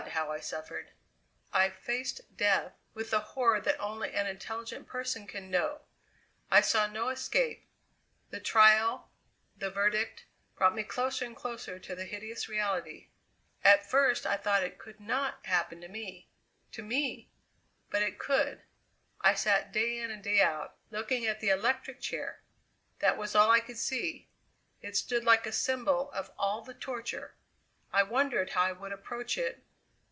how I suffered! I faced death with the horror that only an intelligent person can know. I saw no escape. The trial, the verdict, brought me closer and closer to the hideous reality. At first I thought it could not happen to me to me! But it could! I sat day in and day out, looking at the electric chair! That was all I could see: it stood like a symbol of all the torture. I wondered how I would approach it.